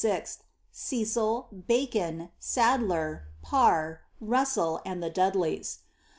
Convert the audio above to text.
— <>cil, Bacon. Sadler, Parr, Russell, and the Dudleys.